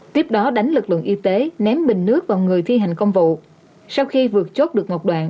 tiếp đó đánh lực lượng y tế ném bình nước vào người thi hành công vụ sau khi vượt chốt được ngọc đoạn